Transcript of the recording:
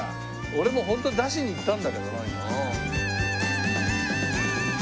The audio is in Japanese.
俺もホント出しにいったんだけどな今。